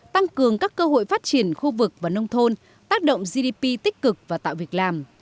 tăng cường các cơ hội phát triển khu vực và nông thôn tác động gdp tích cực và tạo việc làm